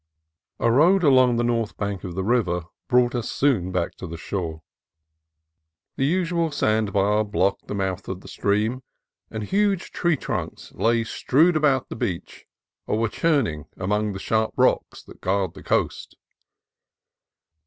A road along the north bank of the river brought us soon back to the shore. The usual sand bar blocked the mouth of the stream, and huge tree trunks lay strewed about the beach or were churn ing among the sharp rocks that guard the coast.